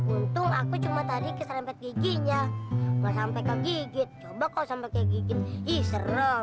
untung aku cuma tadi keserempet giginya malah sampe kegigit coba kau sampe kegigit ih serem